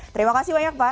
terima kasih banyak pak